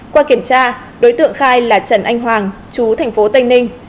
qua kiểm tra đối tượng khai là trần anh hoàng chú thành phố tây ninh